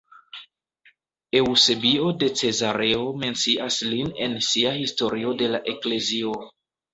Eŭsebio de Cezareo mencias lin en sia Historio de la Eklezio.